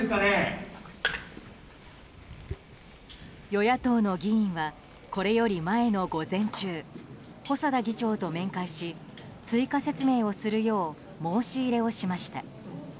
与野党の議員はこれより前の午前中細田議長と面会し追加説明をするよう申し入れをしました。